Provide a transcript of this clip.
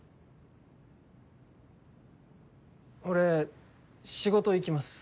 俺仕事行きます。